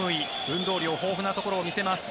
運動量豊富なところを見せます。